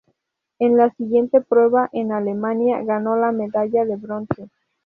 En la siguiente prueba en Alemania, ganó la medalla de bronce.